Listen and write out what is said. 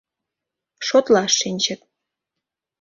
Шотлаш шинчыт.